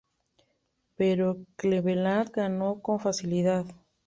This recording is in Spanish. Pero Cleveland ganó con facilidad.